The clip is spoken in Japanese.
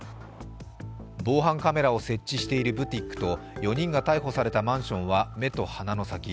防犯カメラを設置しているブティックと４人が逮捕されたマンションは目と鼻の先。